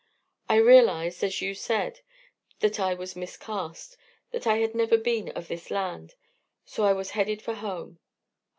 I realized, as you said, that I was 'miscast,' that I had never been of this land, so I was headed for home.